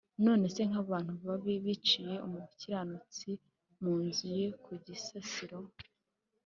None se nk’abantu babi biciye umukiranutsi mu nzu ye ku gisasiro